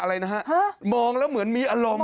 อะไรนะฮะมองแล้วเหมือนมีอารมณ์